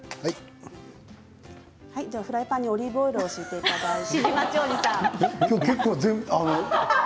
フライパンにオリーブオイルを引いていただいて。